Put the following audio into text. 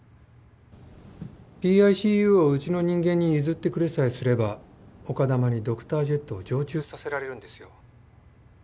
ＰＩＣＵをうちの人間に譲ってくれさえすれば丘珠にドクタージェットを常駐させられるんですよ。